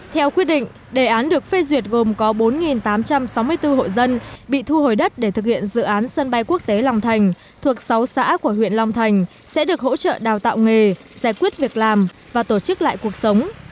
theo quyết định đề án được phê duyệt gồm có bốn tám trăm sáu mươi bốn hộ dân bị thu hồi đất để thực hiện dự án sân bay quốc tế long thành thuộc sáu xã của huyện long thành sẽ được hỗ trợ đào tạo nghề giải quyết việc làm và tổ chức lại cuộc sống